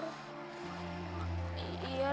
risa pengen tidur